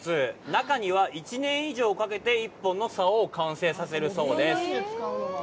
中には１年以上かけて１本の竿を完成させるそうです。